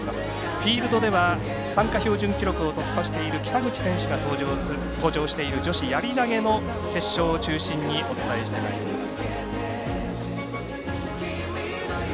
フィールドでは参加標準記録を突破している北口選手が登場している女子やり投げの決勝を中心にお伝えしてまいります。